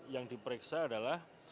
yang diperiksa adalah